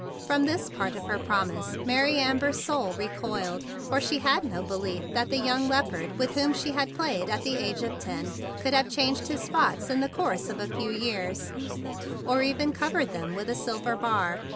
From this part of her promise Mary Amber's soul recoiled, for she had no belief that the young leopard with whom she had played at the age of ten could have changed his spots in the course of a few years, or even covered them with a silver bar.